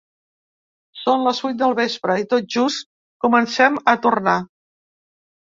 Són les vuit del vespre i tot just comencem a tornar.